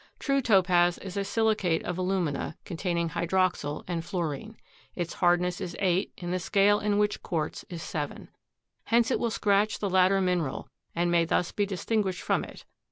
True Topaz is a silicate of alumina, containing hydroxyl and fluorine. Its hardness is 8 in the scale in which quartz is 7. Hence it will scratch the latter mineral and may thus be distinguished from it.